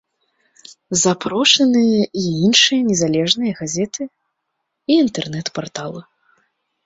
Запрошаныя і іншыя незалежныя газеты, і інтэрнэт-парталы.